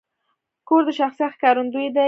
کور د شخصیت ښکارندوی دی.